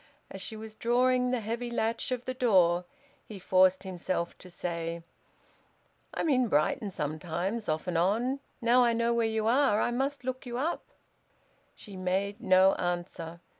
As she was drawing the heavy latch of the door he forced himself to say, "I'm in Brighton sometimes, off and on. Now I know where you are, I must look you up." She made no answer.